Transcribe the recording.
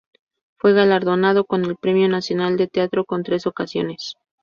Fue galardonado con el Premio Nacional de Teatro en tres ocasiones.